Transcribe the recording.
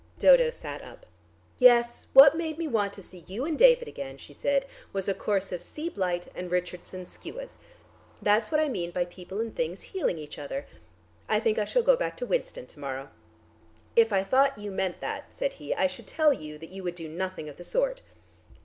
Dodo sat up. "Yes, what made me want to see you and David again," she said, "was a course of sea blite and Richardson's skuas. That's what I mean by people and things healing each other. I think I shall go back to Winston to morrow." "If I thought you meant that," said he, "I should tell you that you would do nothing of the sort."